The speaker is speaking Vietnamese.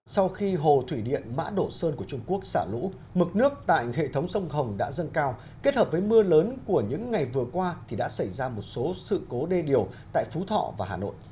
sau khi hồ thủy điện mã đổ sơn của trung quốc xả lũ mực nước tại hệ thống sông hồng đã dâng cao kết hợp với mưa lớn của những ngày vừa qua thì đã xảy ra một số sự cố đê điều tại phú thọ và hà nội